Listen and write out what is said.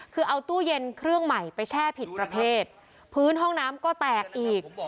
คือเอาตู้เย็นเครื่องใหม่ไปแช่ผิดประเภทพื้นห้องน้ำก็แตกอีก